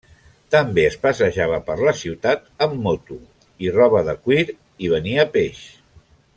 També es passejava per la ciutat amb moto i roba de cuir i venia peix.